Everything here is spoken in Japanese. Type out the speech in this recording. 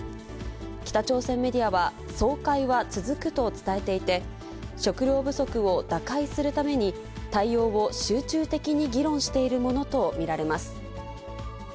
北朝鮮メディアは、総会は続くと伝えていて、食糧不足を打開するために、対応を集中的に議論しているものと見られます。